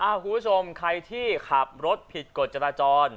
คุณผู้ชมใครที่ขับรถผิดกฎจราจร